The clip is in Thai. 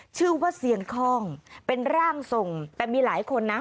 ชื่อว่าเซียนคล่องเป็นร่างทรงแต่มีหลายคนนะ